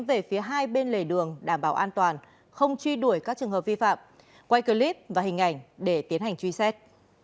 về phía hai bên lề đường đảm bảo an toàn không truy đuổi các trường hợp vi phạm quay clip và hình ảnh để tiến hành truy xét